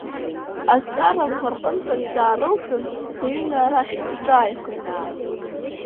Аҵарақәа рҟынтә аӡәы даарылҵын, дыҩны арахь иҿааихеит.